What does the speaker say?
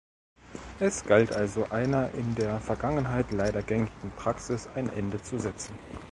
Es galt also, einer in der Vergangenheit leider gängigen Praxis ein Ende zu setzen.